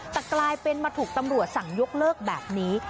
แต่กลายเป็นมาถูกตำรวจสั่งยกเลิกแบบนี้